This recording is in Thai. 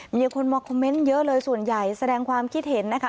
มีคนมาคอมเมนต์เยอะเลยส่วนใหญ่แสดงความคิดเห็นนะคะ